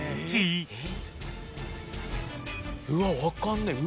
うわっ分かんねえ。